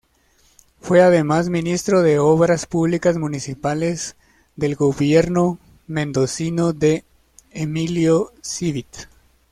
Fue además Ministro de Obras Públicas municipales del gobierno mendocino de Emilio Civit.